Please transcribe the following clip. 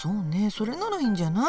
それならいいんじゃない？